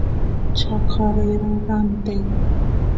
chaqa rera ranteq